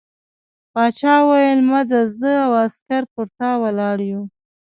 باچا وویل مه ځه زه او عسکر پر تا ولاړ یو.